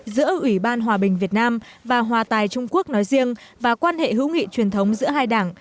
giữa ủy ban hòa bình việt nam và hòa tài trung quốc nói riêng và quan hệ hữu nghị truyền thống giữa hai đảng